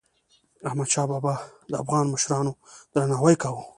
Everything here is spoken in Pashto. احمدشاه بابا د افغان مشرانو درناوی کاوه.